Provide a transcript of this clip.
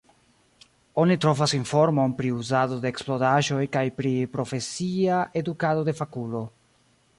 Oni trovas informon pri uzado de eksplodaĵoj kaj pri profesia edukado de fakulo.